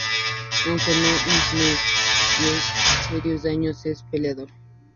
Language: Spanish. Aunque no inflige serios daños, es peleador.